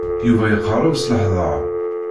Yuba iqerreb s leḥder.